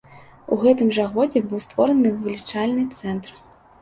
У гэтым жа годзе быў створаны вылічальны цэнтр.